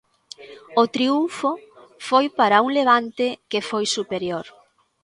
O triunfo foi para un Levante que foi superior.